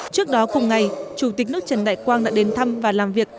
trước đó cùng ngày chủ tịch nước trần đại quang đã đến thăm và làm việc